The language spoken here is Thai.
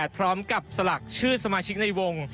พร้อมกับสลักชื่อสมาชิกในวง